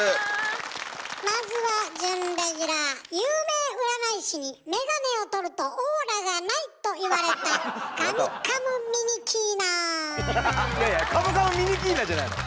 まずは有名占い師に「眼鏡を取るとオーラがない」と言われたいやいやカムカムミニキーナじゃないの。